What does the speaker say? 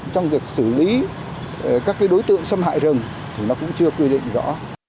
trong việc xử lý các đối tượng xâm hại rừng thì nó cũng chưa quy định rõ